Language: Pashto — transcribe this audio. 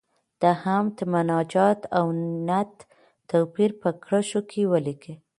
د حمد، مناجات او نعت توپیر په کرښو کې ولیکئ.